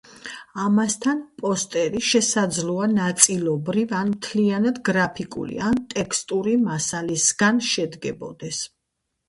ამასთან, პოსტერი შესაძლოა ნაწილობრივ ან მთლიანად გრაფიკული ან ტექსტური მასალისგან შედგებოდეს.